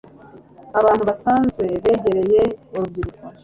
abantu basanzwe begereye urubyiruko